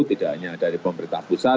tidak hanya dari pemerintah pusat